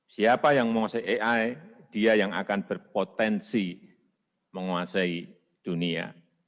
siapa yang menguasai ai dia yang akan berpotensi menguasai dunia